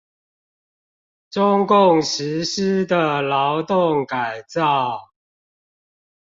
中共實施的勞動改造